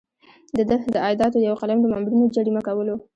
د ده د عایداتو یو قلم د مامورینو جریمه کول وو.